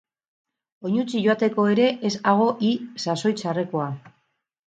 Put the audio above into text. Oinutsik joateko ere ez hago hi sasoi txarrekoa.